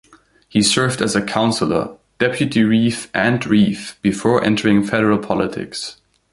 He served as a Councillor, Deputy Reeve and Reeve before entering Federal politics.